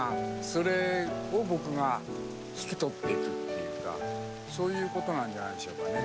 それを僕が引き取っていくっていうかそういうことなんじゃないでしょうかね。